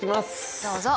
どうぞ。